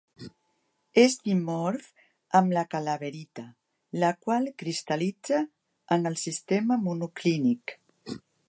És dimorf amb la calaverita, la qual cristal·litza en el sistema monoclínic.